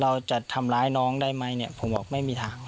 เราจะทำร้ายน้องได้ไหมเนี่ยผมบอกไม่มีทาง